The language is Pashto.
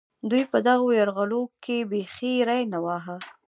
دوی په دغو یرغلونو کې بېخي ري نه واهه.